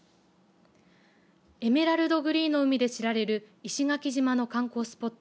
エメラルドグリーンの海で知られる石垣島の観光スポット